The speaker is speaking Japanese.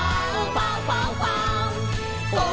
ファンファンファン！」